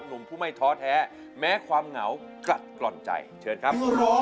หนุ่มผู้ไม่ท้อแท้แม้ความเหงากลัดกล่อนใจเชิญครับ